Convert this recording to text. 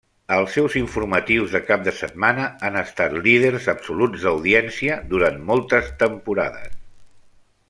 Els seus informatius de cap de setmana han estat líders absoluts d'audiència durant moltes temporades.